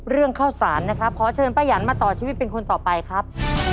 เรื่องข้าวสารนะครับขอเชิญป้ายันมาต่อชีวิตเป็นคนต่อไปครับ